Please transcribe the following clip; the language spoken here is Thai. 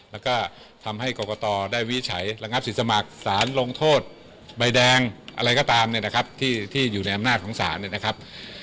และก็ทำให้กรกตได้วิฉัยระงับศิษฐ์สมัครสารลงโทษใบแดงอะไรก็ตามที่อยู่ในอำนาจของสารนะครับ